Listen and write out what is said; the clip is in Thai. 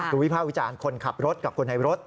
คือวิภาควิจารณ์คนขับรถกับคนในรถ